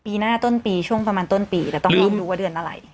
ปีหน้าต้นปีช่วงประมาณต้นปีแต่ต้องรีบดูว่าเดือนอะไร